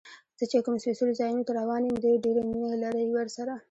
زه چې کوم سپېڅلو ځایونو ته روان یم، دې ډېر مینه لري ورسره.